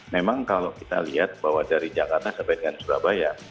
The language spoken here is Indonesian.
memang kalau kita lihat bahwa dari jakarta sampai dengan surabaya